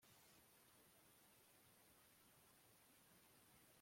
yubire nziza data ndata